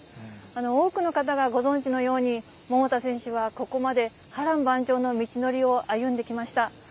多くの方がご存じのように、桃田選手はここまで波乱万丈の道のりを歩んできました。